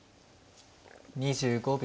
２５秒。